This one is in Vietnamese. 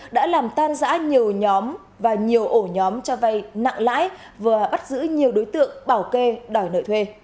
đã làm tan giã nhiều nhóm và nhiều ổ nhóm cho vay nặng lãi vừa bắt giữ nhiều đối tượng bảo kê đòi nợ thuê